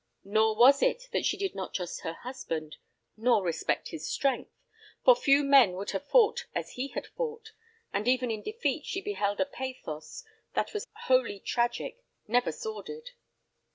Nor was it that she did not trust her husband, nor respect his strength, for few men would have fought as he had fought, and even in defeat she beheld a pathos that was wholly tragic, never sordid.